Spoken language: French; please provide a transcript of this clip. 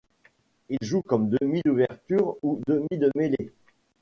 Il joue comme demi d'ouverture ou demi de mêlée.